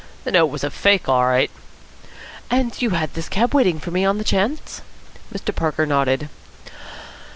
"The note was a fake all right." "And you had this cab waiting for me on the chance?" Mr. Parker nodded.